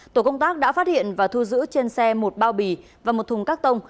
tổ công tác đã phát hiện và thu giữ trên xe một bao bì và một thùng các tông